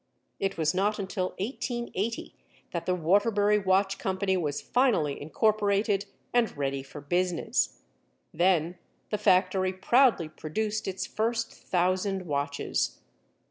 It was not until 1880 that the Waterbury Watch Company was finally incorporated and ready for business. Then the factory proudly produced its first thousand watches.